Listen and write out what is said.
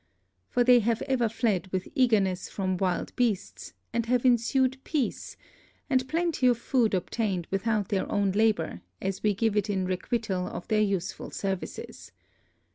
For they have ever fled with eagerness from wild beasts, and have ensued peace, and plenty of food obtained without their own labor, as we give it in requital of their useful services.